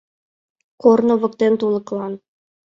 Корно воктен тулыклан